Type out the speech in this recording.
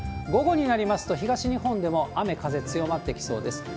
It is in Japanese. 午後になりますと、東日本でも雨、風強まってきそうです。